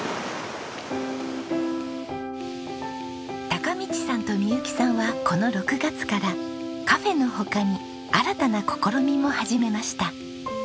貴道さんと未佑紀さんはこの６月からカフェの他に新たな試みも始めました。